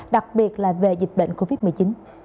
đặc biệt là về dịch bệnh covid một mươi chín